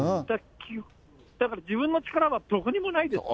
だから自分の力はどこにもないんですね。